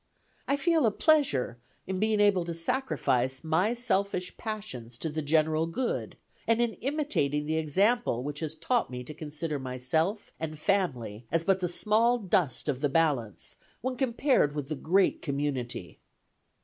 I feel a pleasure in being able to sacrifice my selfish passions to the general good, and in imitating the example which has taught me to consider myself and family but as the small dust of the balance, when compared with the great community."